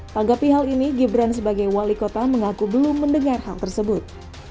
tanggapi hal ini gibran sebagai wali kota mengaku belum mendengar hal tersebut